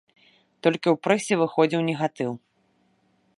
Толькі ў прэсе выходзіў негатыў.